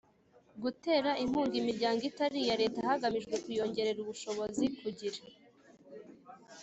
Gutera inkunga imiryango itari iya Leta hagamijwe kuyongerera ubushobozi kugira